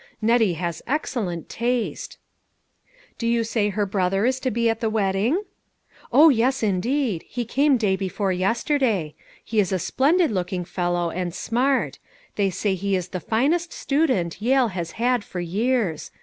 Nettie has excellent taste." " Do you say her brother is to be at the wed ding?" 420 LITTLE FISHERS : AND THEIR NETS. " O, yes indeed ! He came day before yester day ; he is a splendid looking fellow, and smart ; they say he is the finest student Yale has had for years.